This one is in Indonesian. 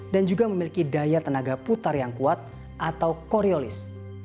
dan juga memiliki daya tenaga putar yang kuat atau koriolis